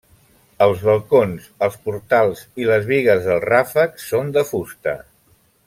Els balcons, els portals i les bigues del ràfec són de fusta.